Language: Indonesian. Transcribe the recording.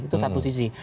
itu satu sisi